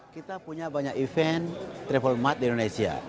kita punya banyak event travel mut di indonesia